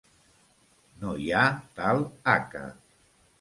No hi ha tal haca.